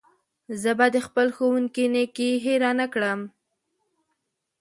زه به د خپل ښوونکي نېکي هېره نه کړم.